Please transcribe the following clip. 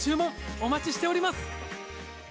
お待ちしております。